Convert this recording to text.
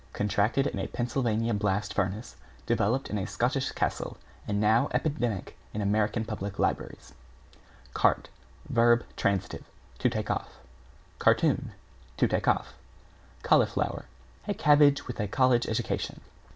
Contracted in a Pennsylvania blast furnace, developed in a Scotch castle and now epidemic in American public libraries. =CART= v. t., To take off. =CARTOON= The take off. =CAULIFLOWER= A Cabbage with a college education.